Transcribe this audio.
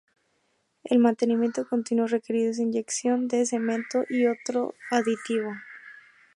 El mantenimiento continuo requerido es inyección de cemento y otros aditivos.